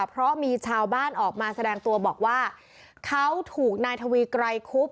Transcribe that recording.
เพราะมีชาวบ้านออกมาแสดงตัวบอกว่าเขาถูกนายทวีไกรคุบ